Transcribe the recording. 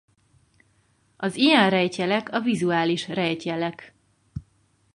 Az ilyen rejtjelek a vizuális rejtjelek.